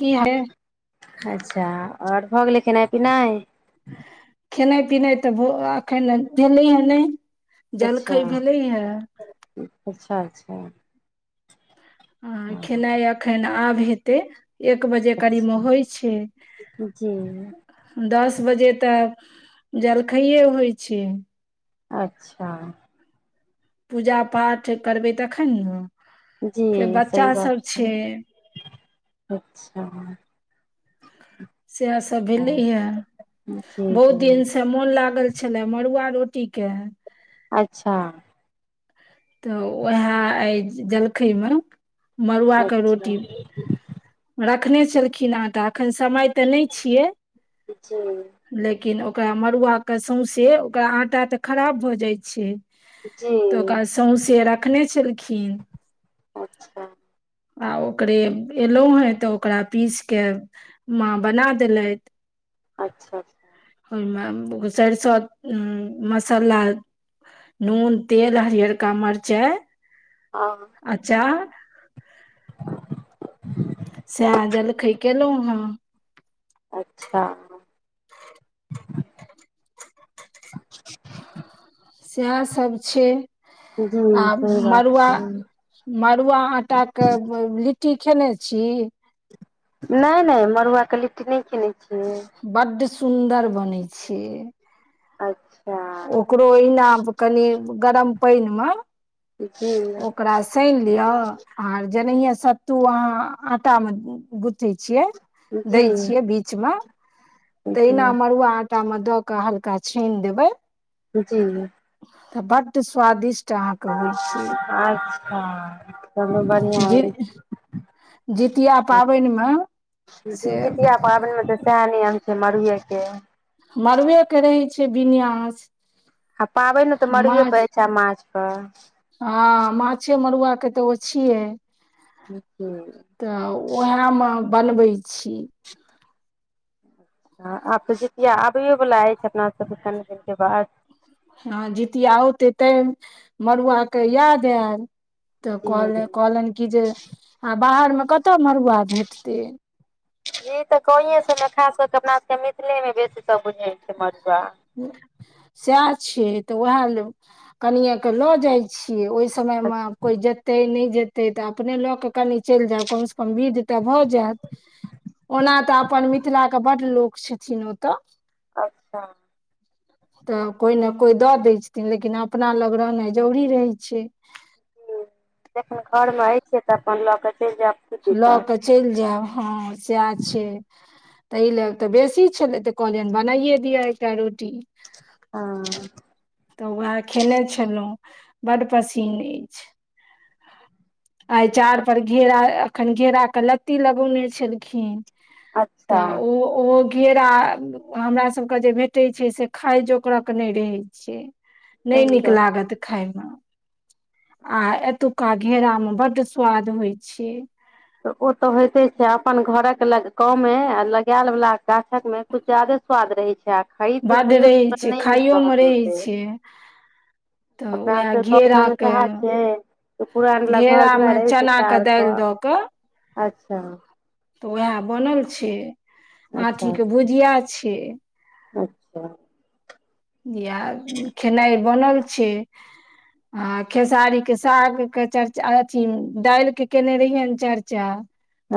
की हे अच्छा ओर भऽ गेलै खेनाइ पिनाइ खेनाइ पिनाइ त एखन भेलै ह नहि अच्छा जलखै भेलै हे अच्छा हँ खेनाइ अखन आब हेतै एक बजे करीब मे अच्छा होई छै जी दस बजे त जलखैए होइ छै अच्छा। पूजा पाठ करबै तखन ने फेर बच्चा सभ छै अच्छा। सेएह सभ अच्छा भेलै ह जी बहुत जी दिन से मोन लागल छलय मड़आ रोटी के अच्छा। त उएह अइ जलखैमे मड़ुआके अच्छा रोटी रखने छलखिन हे तऽ एखन समय तऽ नहि छियै जी लेकिन ओकरा मड़आके सौसे ओकरा आटा तऽ खराब भऽ जाइत छै जी तऽ ओकरा सौसे रखने छलखिन अच्छा आ ओकरे एलहुँ हे तऽ ओकरा पीसके माँ बना देलथि अच्छा। ओहि मे सरिसो मसाला नून तेल हरियरका मिरचाइ ह अच्छा। स्यज जेलखइ केलहु हँ अच्छा। सएह सभ छै जी आ सही बात मड़ुआ छै मड़ुआ आटा के लिट्टी खेने छी नहि नहि मड़ुआ के लिट्टी नहि किनै छियै बड़ सुदर बन छिय अच्छा। ओकरो इना कनि गरम पानि मे जी ओकर। सनि लियअ आर जेनहि सत्तू अहा आटा मे गुथै छियै दै जी छियै बीच मे तऽ एना जी मड़ुआ आटा मे दऽ के हल्का छान देबै जी। त बड्ड स्वादिष्ट अच्छा चलू बढ़िआँ अछि [unintelligible] जितिया पाबनि मे से तएह नियम छै मड़ुए के मरबे के रहै छै विन्यास अ पाबनि ने तऽ मरे पड़ै छै माछ पर ह माछे मरुआ के तऽ ओ छियै अच्छा त उह मे बनबै छी आब तऽ जितिया आबैए वला अछि अपना सभके कनि दिनक के बाद हँ जीतिया औते तै मड़ुआके याद आयल त कहल जी कहलनि कि जे आ बाहरमे कतऽ मड़ुआ भेटतै ई तऽ क सभ ने खा सभ तऽ अपना सभके मिथिले मे बेसी सभ बुझै छै मड़ुआ सएह छियै तऽ उएह कनिएके लऽ जाइ छियै ओहि। समय मे कोई जेते नहि जेते। ते तऽ अपने कऽ कनि चलि जाउ कमसँ कम विध तऽ भऽ जायत ओना तऽ अपन मिथिला के बड़ लोक छथिन ओतऽ अच्छा। त कोइ ने कोइ दऽ दै छथिन लेकिन अपना लग रहनाइ जरूरी रहैत छै जन घर मे अछिइ छियै तऽ अपन लऽ कऽ चलि जायब की लऽ दिक्कत के चलि जायब ह सएह छै ताहि लऽ तऽ बेसी छलै तऽ कहलियनि बनाइये दियअ एकटा रोटी आ तऽ उएह खेने छलहुँ बड़ पसीन अछि आ चाड़ पर घेरा एखन घेरा के लत्ती लगौ ने छलखिन त अच्छा ओहो ओहो घेरा हमरा सभके जे भेटै छै से खाय जोगरक नहि रहै छिय नहि सही नीक गप लागत खाय मे आ एतुका घेरा मे बड स्वाद होइ छै। तऽ ओ तऽ होइते छै अपन घरक गाव मे आ लगायल वला गाछकमे किछु ज्यादे स्वाद रहै छै आ खरीद कऽ बड्ड खैयौ रहै त छै नहि नीक खाइयोमे रहत रहै ओते छै तऽ अपना उएह ओत गाव घर मे घेराके सेह छै पुराल बला घर घेरामे दुआरिअय चनाके चार दालि दऽ कऽ पर---अच्छा तऽ उएह बनल छै आठी अच्छा के भुजिया छै अच्छा। इहा खेनाइ बनल छै। आ खेसारी के साग के चर्चा अथि दालि के केने रहिये नचर्चा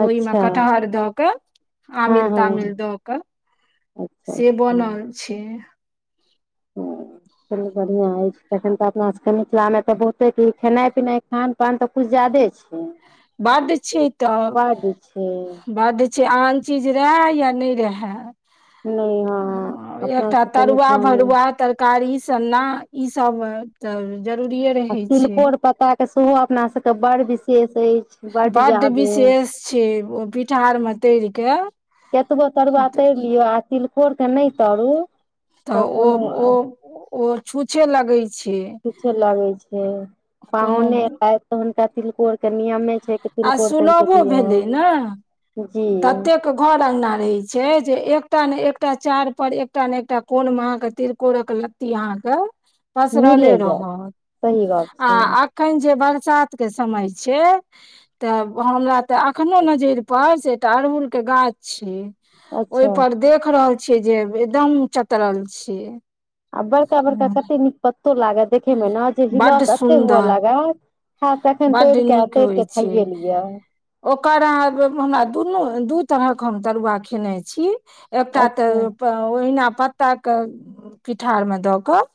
ओहिमे अच्छा कटहर दक हँ आमिल हँ तामिल दऽ कऽ अच्छा से अच्छा बनल छै। ह चलू बढ़िआ अछि तखन तऽ अपना सभके मिथिलामे तऽ बहुते किखेनाइ पिनाइ खान पान तऽ कछु ज्यदे छै। बद छय तऽ बड्ड छै बाद आन चीज रहै या नहि रहै नहि हँ अपना एकटा सबके तरुआ मिथिला मे भरुआ तर। कारी सन्ना ई सभ तऽ जरूरिेये आ रहै छै तिलकोर पत्ता के सेहो अपना सभ के बड़ विशेष अछि बड बड़ जादे विशेष छै ओ पिठारमे तरि कऽ कतबो तरुआ तरि लियौ आ तिलकोर के नहि तरू। तऽ ओ ओ छूछे लगे छै छुछे लगे छै कोनो पाहुने ऐतत त हुनका तिलकोर के नियमे छै कि आ तिलकोर तरि क सुलभो भेलै ने दीय जी ततेक घर अंगना रहै छै जे एकटा ने एकटा चार पर एकटा ने एकटा कोन मे अहाँ के तिलकोरक ल ति अहाँकेँ मिले पसरले जायत रहत सही गप छै आ एख एखन जे बरसात के समय छै। हमरा त अखने नजरि पर से एकटा अड़हुल के गाछ छय अच्छा ओहिपर देख रहल छियै जे एकदम चतरल छियै। आ बड़का बड़का कते नीक पत्तो लागत देखेमे ने जे बड्ड बिलस एते हुए सुन्दर लागत ह तखन बड्ड तोड़िक आ नीक तोर के होइ छै खायए लियै ओकर हमरा दुनू दू तरहक हम तरुआ खेने छी एकटा त अच्छा ओहिना पत्ताके पीठारमे दऽ कऽ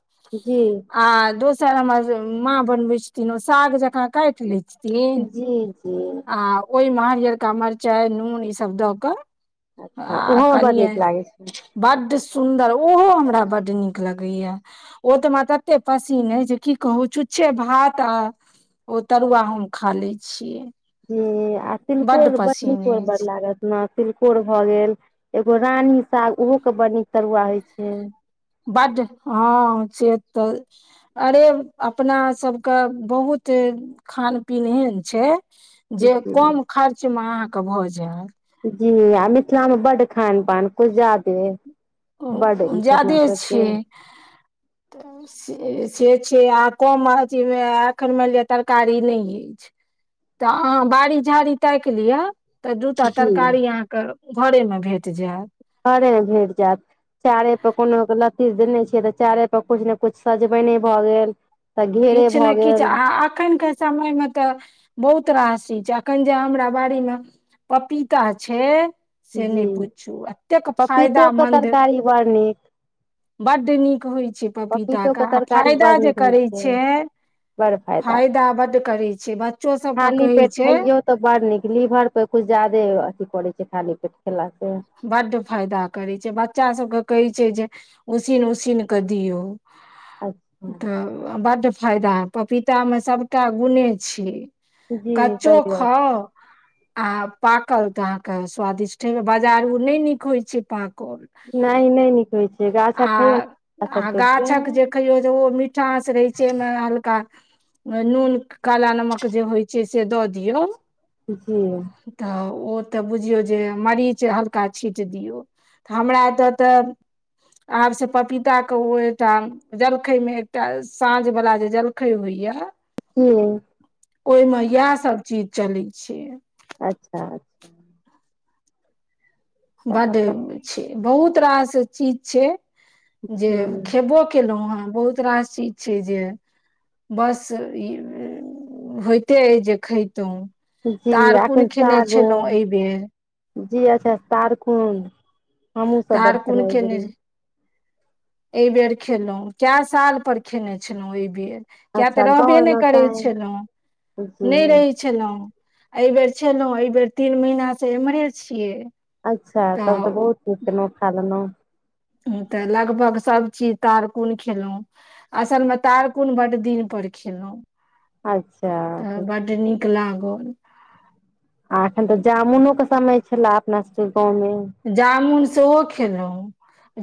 जी। आ दोसर हमर माँ बनवे छथिन ओ साग जका काटि लय जी जी आ ओहिमे हरियरका मिरचाइ नून ईसभ दऽ कऽ अच्छा आ ओहोमे बड कनिये। नीक लागै छै बड़ सुन्दर ओहो हमरा बड नीक लगैया ओ तऽ हमरा तत तते पसीन अय जे कि कहू छुछछे भात आ ओ तरुआ हम खा ले छियै। जी आ बड्ड तिलकोर बड़ पसीन नीकोर बड़ अछि लागत। जेना तिलकोर भ गेल एगो रानी साग ओहो के बड़ नीक तरुआ होइ छै बड निक ह से तऽ अरे अपना सभकऽ बहुत खान-पीन एहन छै जे कम खर्च मे अहाँकेँ भऽ जैत जी मिथिलामे बड खान पान किछु जादे बड्ड ई छै अपना ज्यादे सभके छियै से से छियै आ कम अथी मे आ एखन मैन लिअ तरकारी नै अइछै तऽ अहा बाड़ी झाड़ी ताकि लिअ तऽ दूटा जी तरकारी अहाँकेँ घरे मे भेट जायत घरे मे भेट जायत चारे पर कोनो लऽ देने छियै तऽ चारे पर कुछ ने कुछ सजबेने भए गेल तऽ घेरे किछु भऽ ने किछु गेल आ एखन के समय मे त। बहुत राशी छै अखन जे हमरा बड़ी मे पपीता छै से नहि जी पुछू एतेक पपीतो फायदा के मन्द तरकारी बड़ नीक बड़ नीक होइ छै पपीता पपीतो के आ तरकारी फायदा बड़ जे नीक होइ करे छै छै फायदा बड करै छै बच्चो सभके खाली कहै पेट छै खइयौ तऽ बड़ नीक लीवर पे कुछ ज्यादे अथि करे छै खाली पेट खेला से बड्ड फायदा करैत छै बच्चा सभके कहैत छै जे उसीन उसीन कऽ दियौ अच्छा तऽ बड्ड फायदा पपीता मे सभटा गुणे छी जी कचो सही बात खाउ। छै आ पाकल तऽ अहाँकेँ स्वादिष्ट हेव बाजार ओ नहि नीक होय छै पाकल नहि नहि नीक होइ छै गाछक खइयौ ने गाछक आ तोड़ के गाछ कऽ जे खौ ओ मि चस रहै छै मे हलका नून काला नमक जे होइ छै से द दियौ जी। त ओ तऽ बुझियौ जे मरीच हल्का छीट दियौ त हमरा एतय तऽ आब से पपीता कऽ ओहिठाम जलखै मे एकटा साझ वाला जे जलखै होइया हू ओहि मे इएह सभ चीज चलै छै अच्छा। बड़ अच्छा छै बहुत रास चीज छै जे जी खेबो केलहूँ ह बहुत रास चीज छै जे बस ई होइते जे खयइतहुँ जी तार कोन एखन खेने सागो छलहुँ एहि बेर जी अच्छा तारखुंड हमहु सभ बड़ तारकुन खेनाइी ए बेर खेलौ कऽ साल पर खेने छलहुॅं ए बेर किया तऽ अच्छा रहबे गाँव नहि एलहुँ करै तैं छलहु जी नहि रहै। हू एहि बेर छलहु एहि बेर तीन महिना से इमहरे छियै अच्छा तब तऽ बहुत नीचहुँ खा लेलहुँ। तऽ लगभग सभ चीज तारकुन खेलहुॅँ असलमे तार कोुन बड दिन पर खेलहूँ अच्छा तऽ बड़ नीक लागल आ एखन तऽ जामुनो के समय छले अपना सभके गाव मे जामुन सेहो खेलहुँ।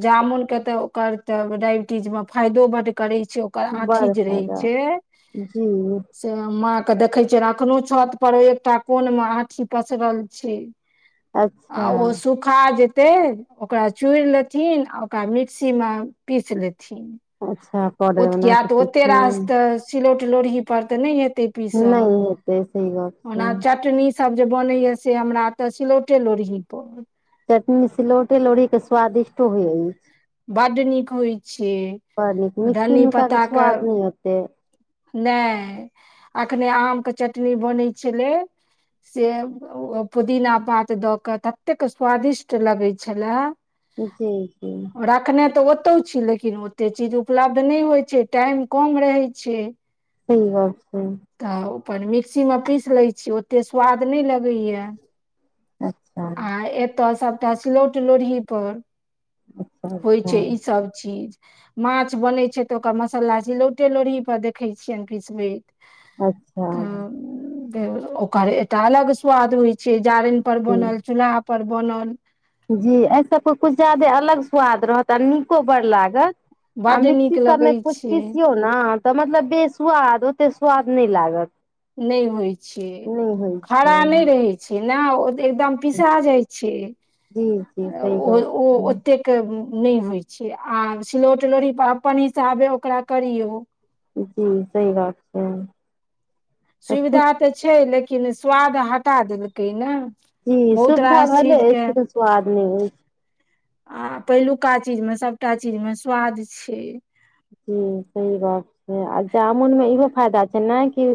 जामुन के तऽ ओकर त डायबिटीज मे फायदो बड करे छै। ओकर आठी बड़ जे रहै फायदा छै। जी से माँ के देखे छ अखनो छत पर एकटा कोन म आठी पसरल छै [inaudible] ओ सु उोखा जेतै ओकरा चूड़ लेथिन आ ओकरा मिक्सी मे पीस लेथिन। अच्छा ओ पाउडर बना कऽ त ओते रास पीथिन ते सिलौट लोढ़ी पर तऽ नहि हेते पीसल नहि हेतै सही गप छै ओना चाटनी। सभ जे बनैया से हमरा एतऽ सिलौटे लोरही पर चटनी सिलौटे लौरी के स्वादिष्टो होइ अछि। बड नीक होइ छै बड़ नीक मिक्सी धन्नी नुका के पत्ता स्वाद ने होते नहि अखने आम के चटनी बनैत छलै। स पुदीना पात दऽ कऽ ततेक स्वादिष्ट लगैत छलए जी राखने तऽ ओतौ छी लेकिन ओतेक चीज उपलब्ध नहि होइ छै टाइम कम रहै छै। सहि गप छै तऽ ओप मिक्सीमे पीस लैत छी ओते कऽ स्वाद नहि लगैया अच्छा एतऽ सभटा स्लौट लोढ़ी पर अच्छा होइ छै अच्छा ई सभ चीज माछ बनैत छै तऽ ओकर मसाला चिलौटे लोढ़ी पर देखैत छियनि किछ बेद। अच्छा। ओकर एकटा अलग स्वाद होइत छै जारनि परर जी बनल चल्हा। पर बनल। जी एहि सभके किछु जादे अलग स्वाद रहत आ नीको बड़ लागत आ बड्ड नीक मिक्सी सभमे लगै कु छै पीसियो ने ने तऽ मतलब बेस्वाद ओते सुवाद नहि लागत नहि होइ छैय नहि होइ छै खड़ा नहि रहै छै ने ओ एकदम पिसा जाइ छै जी जी सही गप ओ छै ओते कऽ के नहि होइ छै आ सिलौट लोढ़ी अपन हिसाबे ओकरा करियौ। जी सही बात छै। तऽ कुछ सुविधा त छै लेकिन स्वाद हटा देलकै ने जी, बहुत सुविधा रास भेले चीजके स्वाद नहि हो आ पहिलुकऽ चीज मे सभटा चीज मे स्वाद छै जी सही बात छै आ जामुन मे इहो फायदा छै न कि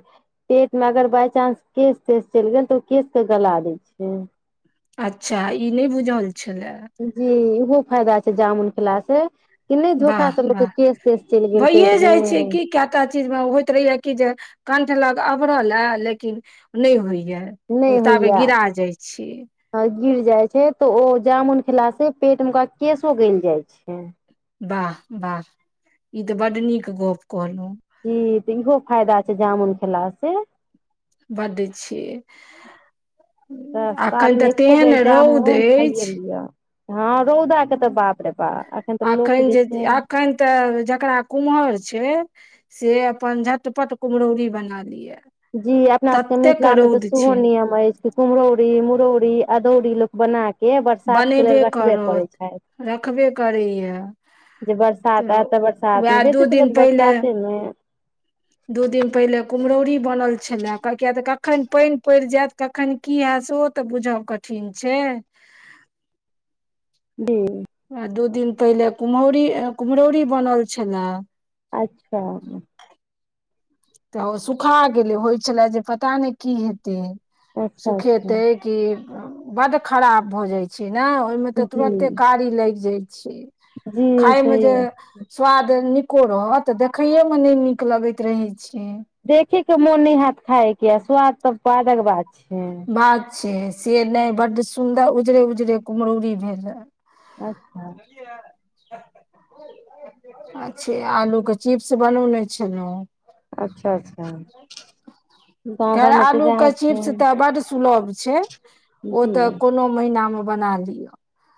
पेट मे अगर बााय चानंस केश तश चलि गेल तऽ ओ केश के गला दै छै अच्छा ई नहि बुझल छल जी ओहो फायदा छै जामुन खेलास कि नहि धोखा वाह सभमे वाह केश तेश चलि गेल पेट म कता चीज मे होयइत रहेया कि जे कंठ लग अबरल लेकिन नहि होइया नहि ओ ताबे होइया। गिरा जाइ छियै गिर जाय छै तऽ ओ जामुन खेला से पेट मे ओकरा केशो गल जाय छै। वाह ई तऽ बड नीक गप कहलहूँ जी तऽ इहो फायदा छै जामुन खेला स बड़ दै छियै तऽ साल अखन मे तऽ एको तेहन बेर रौद जामुन खाइये अछि लिअ हँ रौदाके तऽ बाप रे बा एखन तऽ लोक जे छै तऽ जेकरा कुम्हर छै से अपन झटपट कुम्हरौरी बना लिया जी अपना सभके मिथिला मे तऽ सेहो नियम अछि कुम्हरौरी मुरौरी अदौरी लोक बना के बरसात के लेल बनेबे रखबे पड़ै करत छै रखबे करैया जे बरसात आय तऽ बरसात मे उएह दू बेसी तऽ दिन लोकऽ पहिले बरसाते मे दू दिन पहिले कुम्हरौरी बनल छलए किया तऽ कखन पानि पड़ि जायत कखन कि हय से ओ तऽ बुझब कठिन छै जी। आ दू दिन पहिले कुम्हौरी कुम्हरौरी बनल छै लऽ अच्छा। तऽ ओ सुखा गेलै होइ छले जे पता नहि की हेतै अच्छा अच्छा सुखेते कि बड्ड खराब भऽ जाइ छै ने ओहिमे तऽ तुरते जी कारी लागि जाइ छै। जी खाय मे सही जे बात स्वाद नीको रहत तऽ देखै मे नहि नीक लगैत रहैत छियै देखेके मोन नहि हत खाय के आ स्वाद तऽ स्वादक बात छै बात छै से नहि बडड सुंन्दर उजरे उजरे कुम्ररी भेल रहे अच्छा। अच्छे आलू के चीप। बनौने छलहुँ अच्छा अच्छा घर खैर मते देह आलूके छै चिप्स तऽ बड़ सुलभ छै ओ तऽ जी कोनो महीना मे बना लियअ